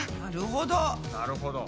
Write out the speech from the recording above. なるほど！